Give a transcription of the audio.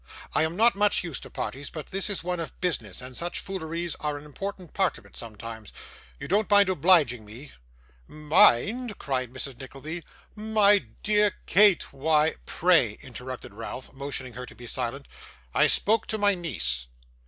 I am not much used to parties; but this is one of business, and such fooleries are an important part of it sometimes. You don't mind obliging me?' 'Mind!' cried Mrs. Nickleby. 'My dear Kate, why ' 'Pray,' interrupted Ralph, motioning her to be silent. 'I spoke to my niece.